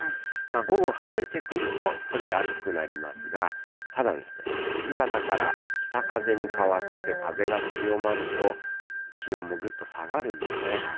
午後、晴れてくると、少し暑くなりますが、ただ、夕方から北風に変わって、風が強まると、気温もぐっと下がるんですね。